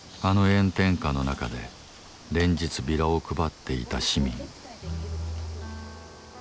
あの炎天下の中で連日ビラを配っていた市民。